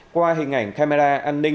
qua hình ảnh camera